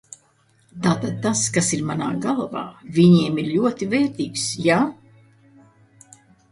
Tātad tas, kas ir manā galvā, viņiem ir ļoti vērtīgs, jā?